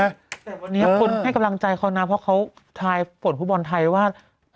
แต่วันนี้คนให้กำลังใจเขานะเพราะเขาทายผลฟุตบอลไทยว่า